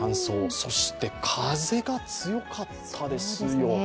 そして風が強かったですよ。